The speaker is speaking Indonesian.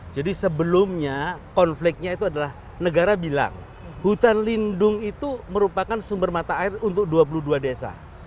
jadi sebelumnya konfliknya itu adalah negara bilang hutan lindung itu merupakan sumber mata air untuk dua puluh dua desa